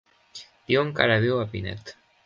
Diuen que ara viu a Pinet.